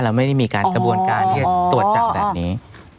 เราไม่ได้มีการกระบวนการที่จะตรวจจับแบบนี้